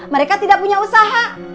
mereka tidak punya usaha